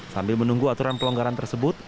sambil menunggu aturan pelonggaran tersebut